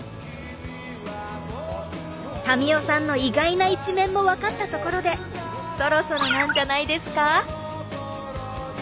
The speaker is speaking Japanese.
民生さんの意外な一面もわかったところでそろそろなんじゃないですか？